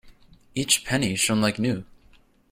Each penny shone like new.